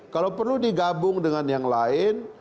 kalau perlu digabung dengan yang lain